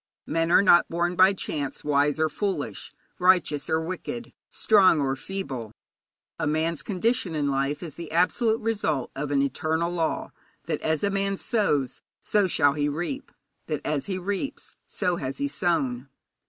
Men are not born by chance wise or foolish, righteous or wicked, strong or feeble. A man's condition in life is the absolute result of an eternal law that as a man sows so shall he reap; that as he reaps so has he sown.